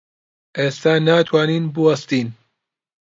ئێستا ناتوانین بوەستین.